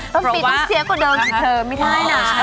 ต้นปีต้องเสียกว่าเดิมสิเธอไม่ได้นะ